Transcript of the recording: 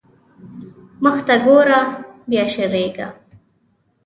مخته ګوره بيا شېرېږا.